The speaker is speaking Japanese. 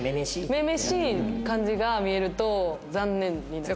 女々しい感じが見えると残念になる。